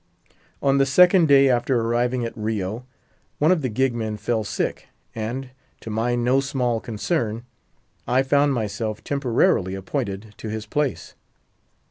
On the second day after arriving at Rio, one of the gig men fell sick, and, to my no small concern, I found myself temporarily appointed to his place.